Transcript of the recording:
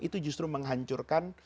itu justru menghancurkan